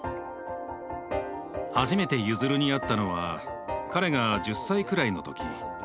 初めてユヅルに会ったのは彼が１０歳くらいの時。